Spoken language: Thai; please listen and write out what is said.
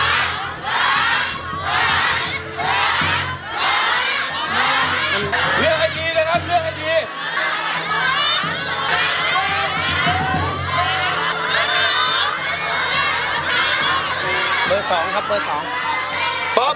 ตัวช่วยจากอีซูซูดีแม็กซ์นะครับ